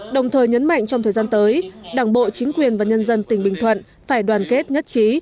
đồng thời nhấn mạnh trong thời gian tới đảng bộ chính quyền và nhân dân tỉnh bình thuận phải đoàn kết nhất trí